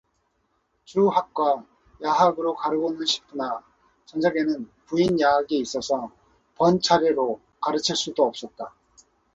주 학과 야학으로 가르고는 싶으나 저녁에는 부인 야학이 있어서 번차례로 가르칠 수도 없었다.